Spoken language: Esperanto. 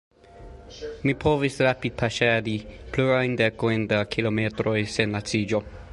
Mi povis rapid-paŝadi plurajn dekojn da kilometroj sen laciĝo.